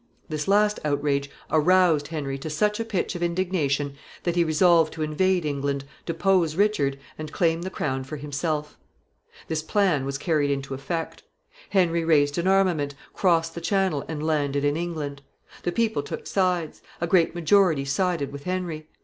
This last outrage aroused Henry to such a pitch of indignation that he resolved to invade England, depose Richard, and claim the crown for himself. [Sidenote: A revolution.] This plan was carried into effect. Henry raised an armament, crossed the Channel, and landed in England. The people took sides. A great majority sided with Henry.